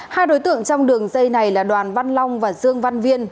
hai đối tượng trong đường dây này là đoàn văn long và dương văn viên